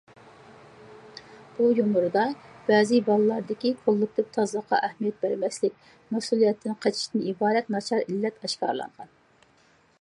بۇ يۇمۇردا بەزى بالىلاردىكى كوللېكتىپ تازىلىققا ئەھمىيەت بەرمەسلىك، مەسئۇلىيەتتىن قېچىشتىن ئىبارەت ناچار ئىللەت ئاشكارىلانغان.